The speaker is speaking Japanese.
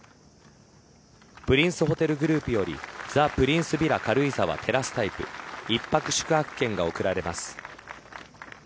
プリンスホテルグループよりザ・プリンスヴィラ軽井沢テラスタイプ一泊宿泊券が贈られます。